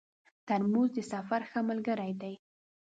ترموز د سفر ښه ملګری دی.